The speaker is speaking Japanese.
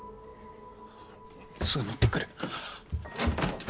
すぐ持ってくる。